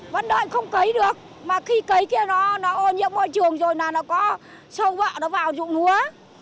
vẫn đợi không cấy được mà khi cấy kia nó nhiễm môi trường rồi là nó có sâu vọt nó vào dụng húa